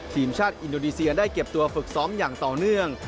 ทีมชาติอินโดนีเซียได้เก็บตัวฝึกซ้อมอย่างต่อเนื่อง